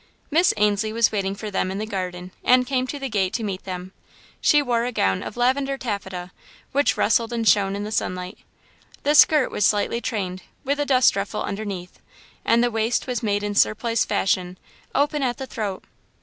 Miss Ainslie was waiting for them in the garden and came to the gate to meet them. She wore a gown of lavender taffeta, which rustled and shone in the sunlight. The skirt was slightly trained, with a dust ruffle underneath, and the waist was made in surplice fashion, open at the throat.